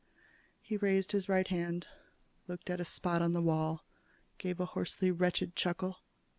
He raised his right hand, looked at a spot on the wall, gave a hoarsely wretched chuckle.